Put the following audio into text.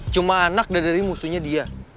cuma anak dan dari musuhnya dia